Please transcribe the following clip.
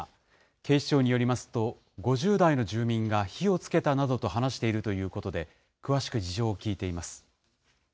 警視庁によりますと、５０代の住民が火をつけたなどと話しているということで、詳しく事情を聴いています。